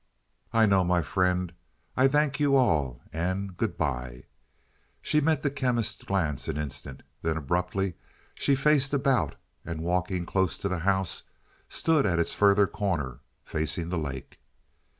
"I know, my friend. I thank you all. And good bye." She met the Chemist's glance an instant. Then abruptly she faced about and walking close to the house, stood at its further corner facing the lake.